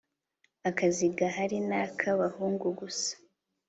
akazi gahari naka bahungu gusa